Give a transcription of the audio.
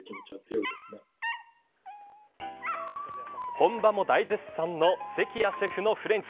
本場も大絶賛の関谷シェフのフレンチ。